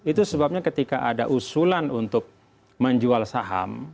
itu sebabnya ketika ada usulan untuk menjual saham